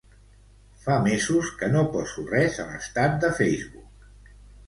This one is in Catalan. Fa mesos que no poso res a l'estat de Facebook.